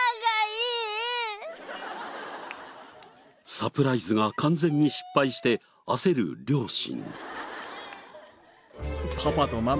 サプライズが完全に失敗して焦る両親。